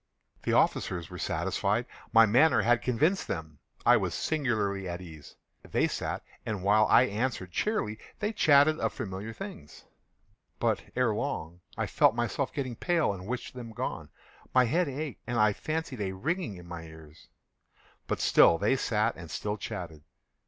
The officers were satisfied. My manner had convinced them. I was singularly at ease. They sat, and while I answered cheerily, they chatted of familiar things. But, ere long, I felt myself getting pale and wished them gone. My head ached, and I fancied a ringing in my ears: but still they sat and still chatted.